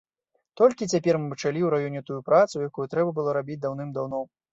Толькі цяпер мы пачалі ў раёне тую працу, якую трэба было рабіць даўным-даўно.